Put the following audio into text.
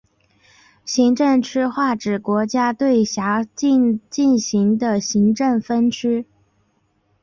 行政区划指国家对辖境进行的行政分区。